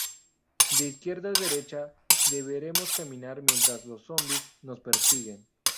De izquierda a derecha deberemos caminar mientras los zombis nos persiguen.